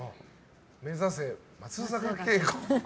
目指せ、松坂慶子。